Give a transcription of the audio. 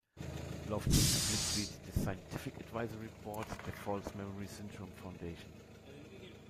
Loftus ist Mitglied des Scientific Advisory Boards der False Memory Syndrome Foundation.